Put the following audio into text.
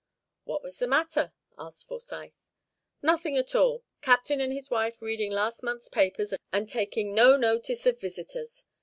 "What was the matter?" asked Forsyth. "Nothing at all. Captain and his wife reading last month's papers, and taking no notice of visitors.